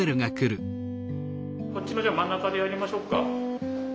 こっちの真ん中でやりましょうか。